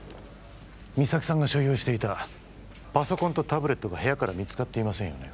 実咲さんが所有していたパソコンとタブレットが部屋から見つかっていませんよね